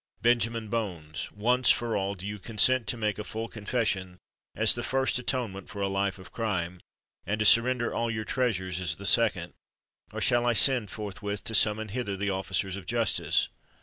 Benjamin Bones! once for all, do you consent to make a full confession, as the first atonement for a life of crime, and to surrender all your treasures as the second?—or shall I send forthwith to summon hither the officers of justice?"